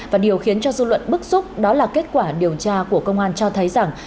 và điều khiến cho dư luận bức xúc đó là kết quả điều tra của công an cho thấy rằng